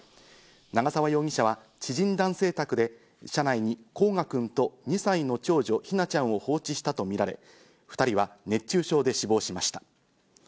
長沢容疑者は知人男性宅で車内に煌翔くんと２歳の長女・姫梛ちゃんを放置したとみられ、２人は熱中症で死亡しました。